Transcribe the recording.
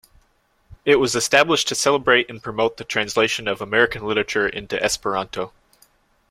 It was established to celebrate and promote the translation of American literature into Esperanto.